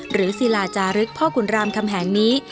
ศิลาจารึกพ่อขุนรามคำแหงนี้